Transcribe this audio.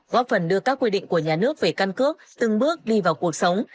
góp phần đưa các quy định của nhà nước về căn cước từng bước đi vào cuộc sống